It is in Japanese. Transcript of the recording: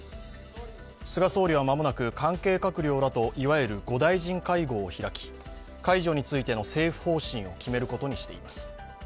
菅総理は間もなく、関係閣僚らといわゆる５大臣会合を開き解除についての政府方針を決めることにしています。